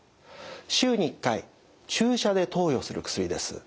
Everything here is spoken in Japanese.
週に１回注射で投与する薬です。